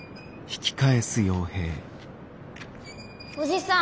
おじさん。